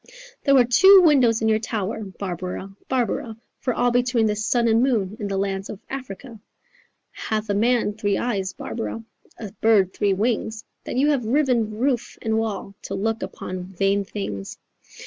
"There were two windows in your tower, Barbara, Barbara, For all between the sun and moon In the lands of Africa. Hath a man three eyes, Barbara, A bird three wings, That you have riven roof and wall To look upon vain things?"